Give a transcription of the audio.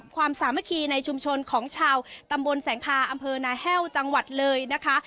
สามัคคีในชุมชนของชาวตำบลแสงพาอำเภอนาแห้วจังหวัดเลยนะคะ